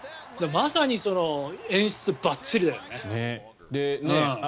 まさに演出、ばっちりだよね。